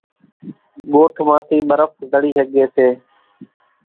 ڳوٺ مان ٿِي ٻرڦ زڙِي ۿڳيَ سي۔